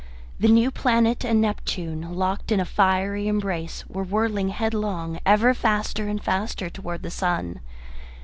The new planet and Neptune, locked in a fiery embrace, were whirling headlong, ever faster and faster towards the sun.